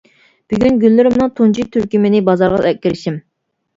بۈگۈن گۈللىرىمنىڭ تۇنجى تۈركۈمىنى بازارغا ئەكىرىشىم.